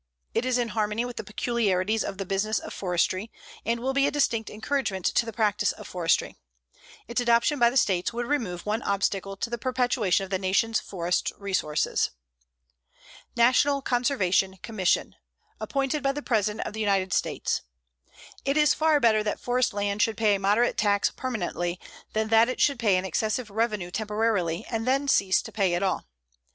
It is in harmony with the peculiarities of the business of forestry, and will be a distinct encouragement to the practice of forestry. Its adoption by the States would remove one obstacle to the perpetuation of the nation's forest resources. NATIONAL CONSERVATION COMMISSION, appointed by the President of the United States: It is far better that forest land should pay a moderate tax permanently than that it should pay an excessive revenue temporarily and then cease to pay at all.